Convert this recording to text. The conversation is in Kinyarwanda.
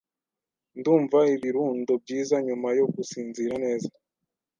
Ndumva ibirundo byiza nyuma yo gusinzira neza.